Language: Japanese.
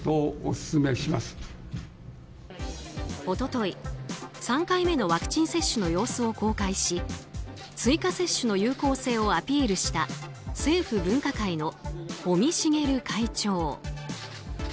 一昨日、３回目のワクチン接種の様子を公開し追加接種の有効性をアピールした政府分科会の尾身茂会長。